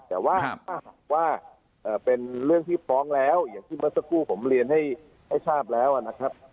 แต่ว่าถ้าหากว่าเป็นเรื่องที่ฟ้องแล้วอย่างที่เมื่อสักครู่ผมเรียนให้ทราบแล้วนะครับ